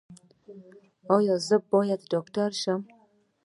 ایا زه باید ډاکټر شم؟